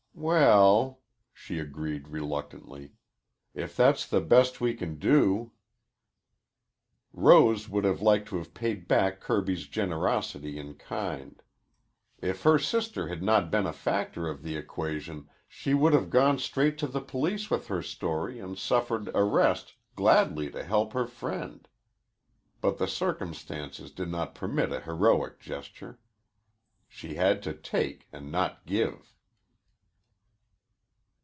"Well," she agreed reluctantly. "If that's the best we can do." Rose would have liked to have paid back Kirby's generosity in kind. If her sister had not been a factor of the equation she would have gone straight to the police with her story and suffered arrest gladly to help her friend. But the circumstances did not permit a heroic gesture. She had to take and not give.